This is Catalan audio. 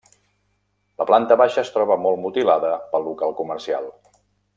La planta baixa es troba molt mutilada pel local comercial.